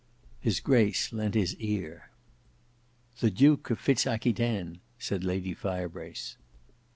His grace leant his ear. "The Duke of Fitz Aquitaine," said Lady Firebrace.